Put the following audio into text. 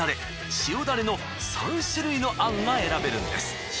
塩ダレの３種類の餡が選べるんです。